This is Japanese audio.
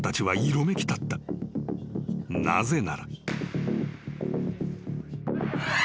［なぜなら］